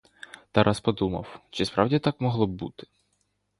Тарас подумав, чи справді так могло б бути.